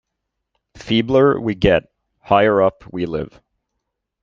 Feebler we get, higher up we live.